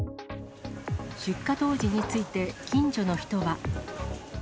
出火当時について、近所の人は。